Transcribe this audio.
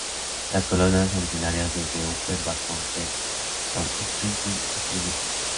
Las colonias originarias desde Upper Barton Creek son Springfield y Pine Hill.